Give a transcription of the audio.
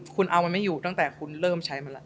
คุณเอามันไม่อยู่ตั้งแต่คุณเริ่มใช้มาแล้ว